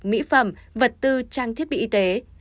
mỹ phẩm vật tư trang thiết bị y tế